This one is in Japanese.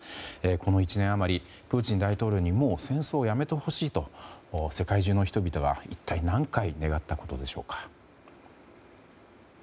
この１年あまりプーチン大統領にもう戦争をやめてほしいと世界中の人々が一体何回願ったことでしょうか。